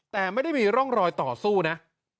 แต่ไม่ได้มีร่องรอยต่อสู้นะ